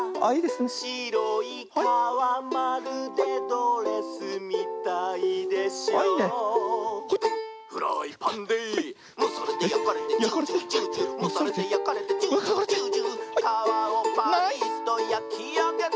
「しろいかわまるでドレスみたいでしょ」「フライパンでむされてやかれてジュージュージュージュー」「むされてやかれてジュージュージュージュー」「かわをパリッとやきあげて」